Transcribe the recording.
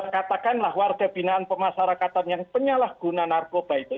katakanlah warga binaan pemasarakatan yang penyalahguna narkoba itu